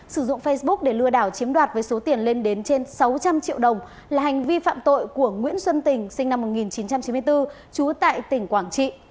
sử dụng facebook để lừa đảo chiếm đoạt với số tiền lên đến trên sáu trăm linh triệu đồng là hành vi phạm tội của nguyễn xuân tình sinh năm một nghìn chín trăm chín mươi bốn trú tại tỉnh quảng trị